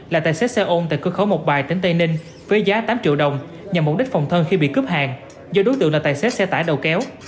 là tài xế xe ôn tại cửa khẩu mộc bài tỉnh tây ninh với giá tám triệu đồng nhằm mục đích phòng thân khi bị cướp hàng do đối tượng là tài xế xe tải đầu kéo